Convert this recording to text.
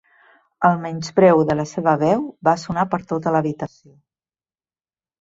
El menyspreu de la seva veu va sonar per tota l'habitació.